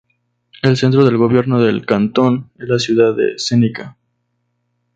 El centro del gobierno del cantón es la ciudad de Zenica.